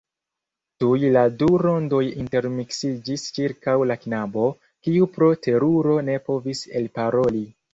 Tuj la du rondoj intermiksiĝis ĉirkaŭ la knabo, kiu pro teruro ne povis elparoli.